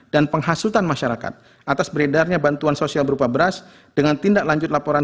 dan penghasutan masyarakat atas beredarnya bantuan sosial berupa beras dengan tindak lanjut laporan